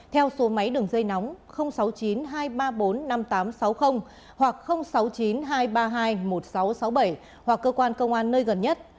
theo số máy đường dây nóng sáu mươi chín hai trăm ba mươi bốn năm nghìn tám trăm sáu mươi hoặc sáu mươi chín hai trăm ba mươi hai một nghìn sáu trăm sáu mươi bảy hoặc cơ quan công an nơi gần nhất